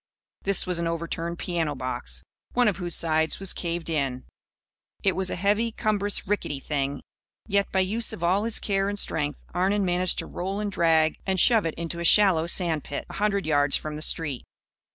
This was an overturned piano box, one of whose sides was caved in. It was a heavy, cumbrous rickety thing. Yet, by use of all his care and strength, Arnon managed to roll and drag and shove it into a shallow sand pit, a hundred yards from the street.